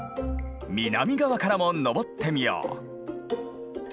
南側からも登ってみよう！